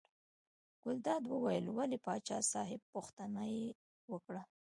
ګلداد وویل ولې پاچا صاحب پوښتنه یې وکړه.